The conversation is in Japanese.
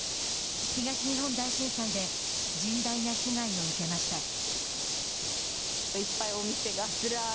東日本大震災で甚大な被害を受けました。